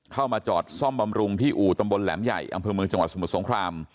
เข้ามาจอดซ่อมบำรุงที่อู่ตำบลแหลมใหญ่อำเภอเมืองจังหวัดสมุทรสงคราม